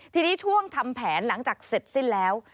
ทีนี้ช่วงทำแผนหลังจากเสร็จสิ้นแล้ว